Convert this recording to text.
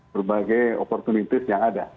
berbagai opportunity yang ada